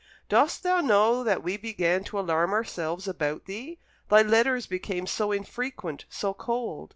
"Dost thou know that we began to alarm ourselves about thee? Thy letters became so infrequent, so cold.